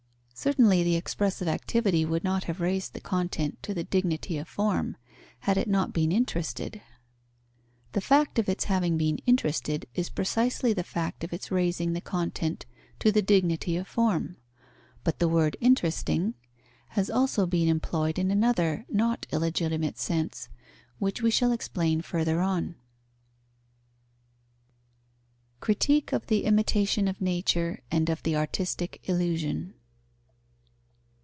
Certainly the expressive activity would not have raised the content to the dignity of form, had it not been interested. The fact of its having been interested is precisely the fact of its raising the content to the dignity of form. But the word "interesting" has also been employed in another not illegitimate sense, which we shall explain further on. _Critique of the imitation of nature and of the artistic illusion.